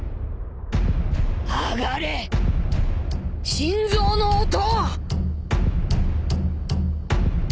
上がれ心臓の音！